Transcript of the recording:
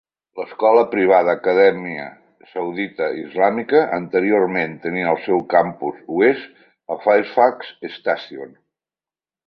L'escola privada Acadèmia Saudita Islàmica anteriorment tenia el seu campus oest a Fairfax Station.